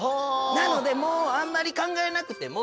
なのでもうあんまり考えなくても。